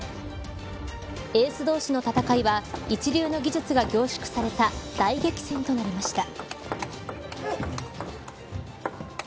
エース同士の戦いは一流の技術が凝縮された大激戦となりました。